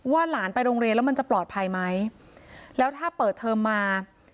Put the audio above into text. หลานไปโรงเรียนแล้วมันจะปลอดภัยไหมแล้วถ้าเปิดเทอมมา